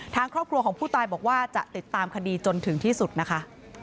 ทางครอบครัวของผู้ตายบอกว่าจะติดตามคดีจนถึงที่สุดนะคะ